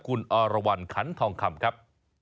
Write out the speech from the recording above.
คุณอรวรรณขันทองคำครับ